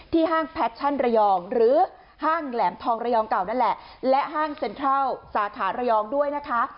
ห้างแพชชั่นระยองหรือห้างแหลมทองระยองเก่านั่นแหละและห้างเซ็นทรัลสาขาระยองด้วยนะคะ